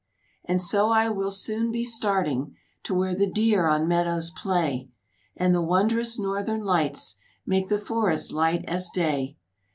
And so I will soon be starting To where the deer on meadows play, And the wondrous Northern lights Make the forest light as day.